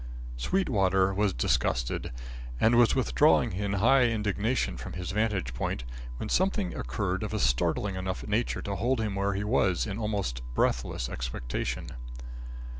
Sweetwater was disgusted, and was withdrawing in high indignation from his vantage point when something occurred of a startling enough nature to hold him where he was in almost breathless expectation.